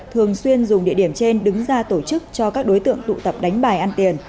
thường xuyên dùng địa điểm trên đứng ra tổ chức cho các đối tượng tụ tập đánh bài ăn tiền